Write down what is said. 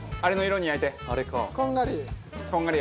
こんがり。